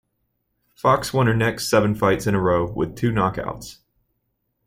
Fox won her next seven fights in a row, with two knockouts.